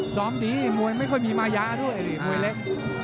ซ้อมดีมวยไม่ค่อยมีมายาด้วยมวยเล็ก